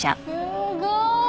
すごい！